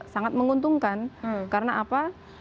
sangat menguntungkan karena apa